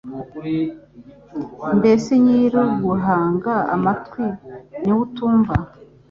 Mbese nyir’uguhanga amatwi ni we utumva?